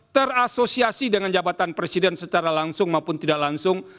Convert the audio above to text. terasosiasi dengan jabatan presiden secara langsung maupun tidak langsung